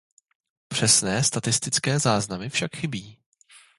Přesné statistické záznamy však chybí.